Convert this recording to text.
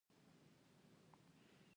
د ترومبوس د وینې ګڼېدل دي.